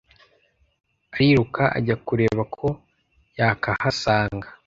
ariruka ajya kureba ko yakahasanga